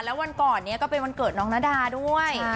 แล้ววันก่อนนี้ก็เป็นวันเกิดน้องนาดาด้วย